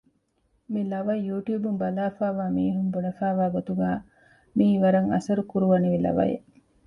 މި ލަވަ ޔޫޓިއުބުން ބަލާފައިވާ މީހުން ބުނެފައިވާ ގޮތުގައި މިއީ ވަރަށް އަސަރު ކުރުވަނިވި ލަވައެއް